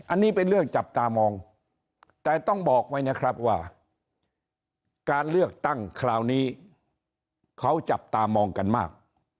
อันนี้เป็นเรื่องจับตามองแต่ต้องบอกไว้นะครับว่าการเลือกตั้งคราวนี้เขาจับตามองกันมาก